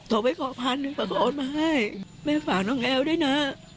โทรไปขอพันธุ์มาให้แม่ฝากน้องแอวด้วยนะ